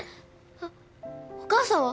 あっお母さんは？